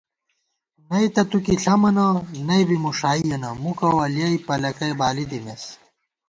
نئ تہ تُوکی ݪَمَنہ، نئ بی مُݭائیَنہ، مُکہ وَلیَئ پَلَکئ بالی دِمېس